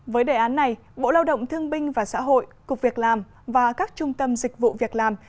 với đề án này bộ lao động thương binh và xã hội cục việc làm và các trung tâm dịch vụ việc làm